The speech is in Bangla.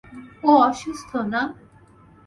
ও অসুস্থ, না?